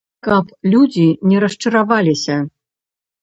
Каб людзі не расчараваліся.